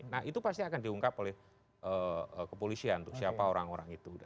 nah itu pasti akan diungkap oleh kepolisian untuk siapa orang orang itu